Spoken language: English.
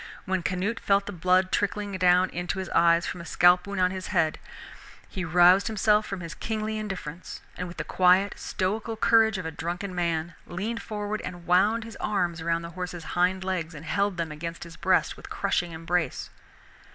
When Canute felt the blood trickling down into his eyes from a scalp wound in his head, he roused himself from his kingly indifference, and with the quiet stoical courage of a drunken man leaned forward and wound his arms about the horse's hind legs and held them against his breast with crushing embrace.